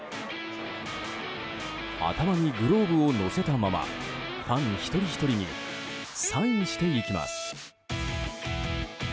頭にグローブを乗せたままファン一人ひとりにサインしていきます。